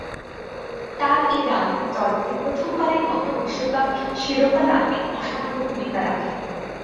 তার এ রান দলকে প্রথমবারের মতো বিশ্বকাপ শিরোপা লাভে অসামান্য ভূমিকা রাখে।